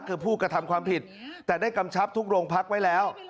คือผู้กระทำความผิดแต่ได้กำชับทุกโรงพักไว้แล้ว